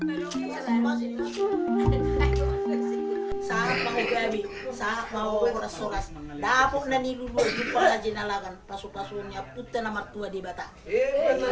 ikan arsik di berikan kepada sang anak sebagai wujud berkah sekaligus doa agar senantiasa hidup sejahtera di perantauan